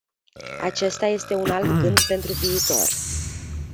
Acesta este un alt gând pentru viitor.